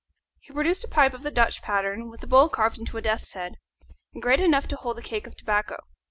He produced a pipe of the Dutch pattern, with a bowl carved into a death's head, and great enough to hold a cake of tobacco.